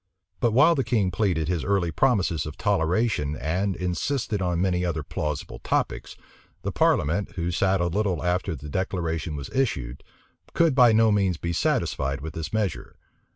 {1663.} But while the king pleaded his early promises of toleration, and insisted on many other plausible topics, the parliament, who sat a little after the declaration was issued, could by no means be satisfied with this measure.